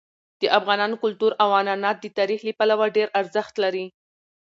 د افغانانو کلتور او عنعنات د تاریخ له پلوه ډېر ارزښت لري.